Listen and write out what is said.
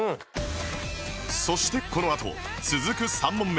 そしてこのあと続く３問目を